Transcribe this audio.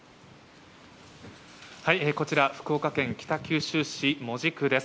こちら、福岡県北九州市門司区です。